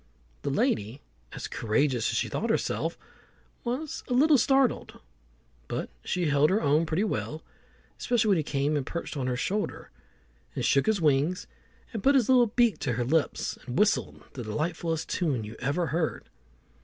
The lady, as courageous as she thought herself, was a little startled, but she held her own pretty well, especially when he came and perched on her shoulder, and shook his wings, and put his little beak to her lips, and whistled the delightfulest tune you ever heard.